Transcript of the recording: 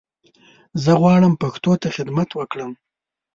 زه غواړم پښتو ته خدمت وکړم